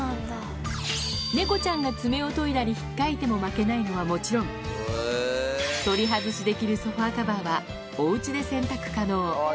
猫ちゃんが爪を研いだり、ひっかいても負けないのはもちろん、取り外しできるソファーカバーは、おうちで洗濯可能。